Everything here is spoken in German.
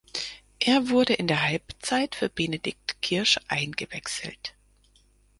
Er wurde in der Halbzeit für Benedikt Kirsch eingewechselt.